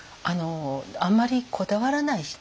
あんまりこだわらない人。